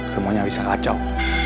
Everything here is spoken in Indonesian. semuanya bisa kacau